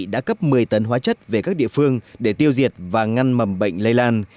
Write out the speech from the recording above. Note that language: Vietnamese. đã cấp một mươi tấn hóa chất về các địa phương để tiêu diệt và ngăn mầm bệnh lây lan